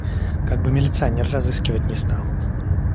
Как бы милиционер разыскивать не стал.